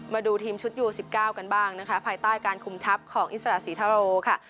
มาดูทีมชุดยูสิบเก้ากันบ้างนะคะภายใต้การคุมทับของอินสตราสีธารโลค่ะ